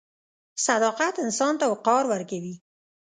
• صداقت انسان ته وقار ورکوي.